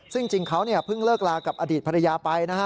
ซึ่งจริงเขาเพิ่งเลิกลากับอดีตภรรยาไปนะฮะ